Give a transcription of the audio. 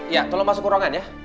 ya tolong masuk ke ruangan ya